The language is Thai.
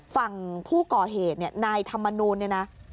ฝั่งผู้ก่อเหตุเนี่ยนายธรรมนูลเนี่ยนะ